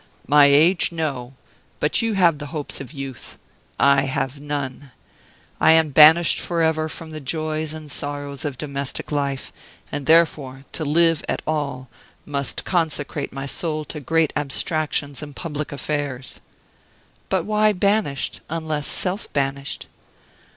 "My age, no. But you have the hopes of youth. I have none. I am banished for ever from the joys and sorrows of domestic life; and therefore, to live at all, must consecrate my soul to great abstractions and public affairs." "But why banished, unless self banished?"